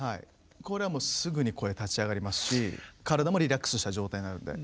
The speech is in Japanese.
これはもうすぐに声立ち上がりますし体もリラックスした状態になるので。